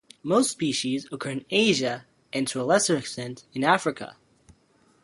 Most species occur in Asia, and to a lesser extent in Africa.